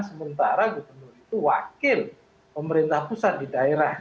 sementara gubernur itu wakil pemerintah pusat di daerah